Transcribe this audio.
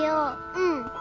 うん。